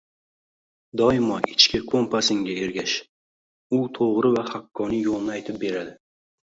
Doimo ichki kompasingga ergash. U to‘g‘ri va haqqoniy yo‘lni aytib beradi.